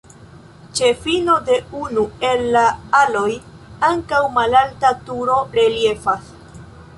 Ĉe fino de unu el la aloj ankaŭ malalta turo reliefas.